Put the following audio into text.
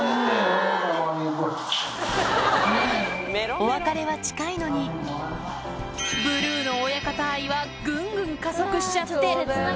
お別れは近いのに、ブルーの親方愛はぐんぐん加速しちゃって。